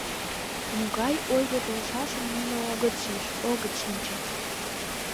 Могай ойго толшашым нуно огыт шиж, огыт шинче.